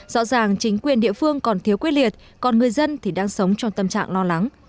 rõ ràng chính quyền địa phương còn thiếu quyết liệt còn người dân thì đang sống trong tâm trạng lo lắng